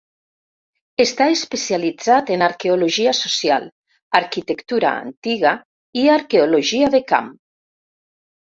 Està especialitzat en arqueologia social, arquitectura antiga i arqueologia de camp.